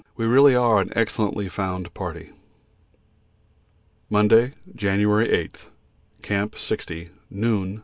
We really are an excellently found party. Monday, January 8. Camp 60. Noon.